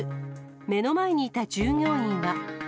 目の前にいた従業員は。